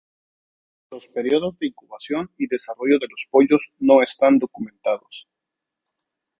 Los periodos de incubación y desarrollo de los pollos no están documentados.